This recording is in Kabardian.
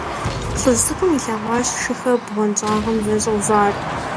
ЛӀыжь цӀыкӀум илъэгъуащ шыхэр бгъуэнщӀагъым зэрыщӀэувар.